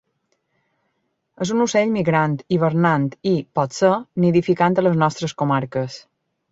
És un ocell migrant, hivernant i, potser, nidificant a les nostres comarques.